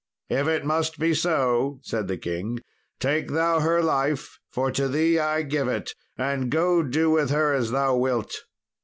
"If it must be so," said the king, "take thou her life, for to thee I give it, and go and do with her as thou wilt."